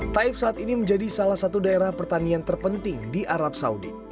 taif saat ini menjadi salah satu daerah pertanian terpenting di arab saudi